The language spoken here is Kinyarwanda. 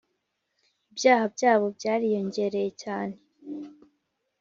Ibyaha byabo byariyongereye cyane